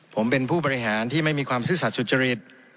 ผมเป็นผู้บริหารที่ไม่มีความซื่อสัตว์สุจริต